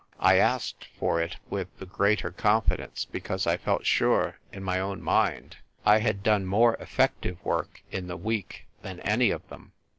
" I asked for it with the greater confidence because I felt sure in my own mind I had done more effective work in the week than any of them.